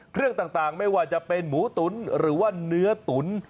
เครื่องต่างไม่ว่าจะเป็นหมูตุ๋นหรือว่าเนื้อตุ๋น